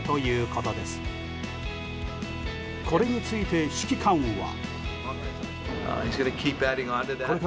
これについて指揮官は。